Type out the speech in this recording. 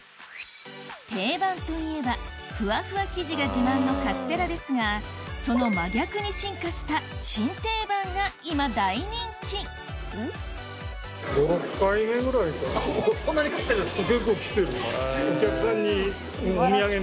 定番といえばふわふわ生地が自慢のカステラですがその真逆に進化した新定番が今大人気そんなに来てるんですか。